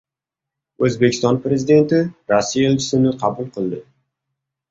O‘zbekiston Prezidenti Rossiya elchisini qabul qildi